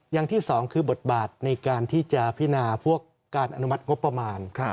อย่างที่สองคือบทบาทในการที่จะพินาพวกการอนุมัติงบประมาณ